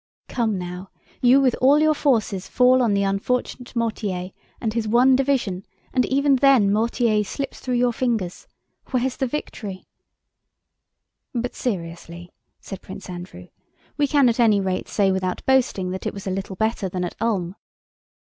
"Come now! You with all your forces fall on the unfortunate Mortier and his one division, and even then Mortier slips through your fingers! Where's the victory?" "But seriously," said Prince Andrew, "we can at any rate say without boasting that it was a little better than at Ulm..."